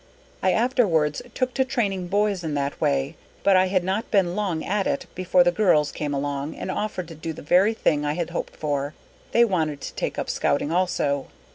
_ _I afterwards took to training boys in that way, but I had not been long at it before the girls came along, and offered to do the very thing I had hoped for, they wanted to take up Scouting also.